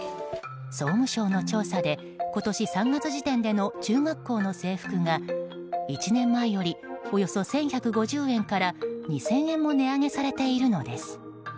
総務省の調査で今年３月時点での中学校の制服が１年前よりおよそ１１５０円から２０００円も値上げされているのです。